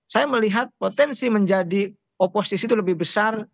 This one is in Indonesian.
saya melihat potensi menjadi oposisi itu lebih besar